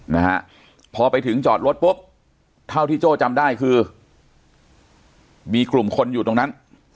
นะฮะพอไปถึงจอดรถปุ๊บเท่าที่โจ้จำได้คือมีกลุ่มคนอยู่ตรงนั้น